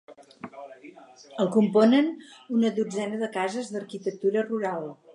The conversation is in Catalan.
El componen una dotzena de cases d'arquitectura rural.